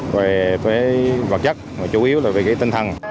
về vật chất chủ yếu là về tinh thần